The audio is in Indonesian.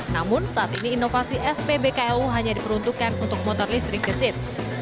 namun saat ini inovasi spbku hanya diperuntukkan untuk motor listrik gesit